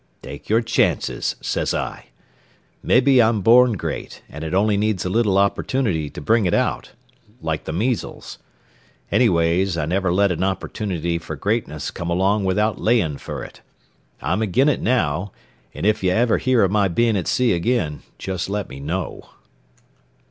Take your chances, says I. Mebbe I'm born great, an' it only needs a little opportunity to bring it out like the measles. Anyways, I never let an opportunity fer greatness come along without laying fer it. I'm agin it now, an' if y' ever hear o' my bein' at sea agin, just let me know."